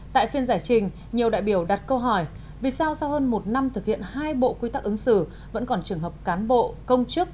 tại phiên giải trình nhiều đại biểu đặt câu hỏi vì sao sau hơn một năm thực hiện hai bộ quy tắc ứng xử vẫn còn trường hợp cán bộ công chức